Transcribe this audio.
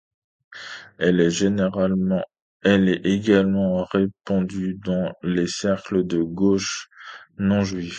Elle est également répandue dans les cercles de gauche non-juifs.